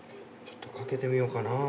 ちょっとかけてみようかな。